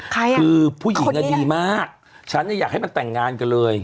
คือผู้หญิงดีมากฉันเนี่ยอยากให้มันแต่งงานกันเลย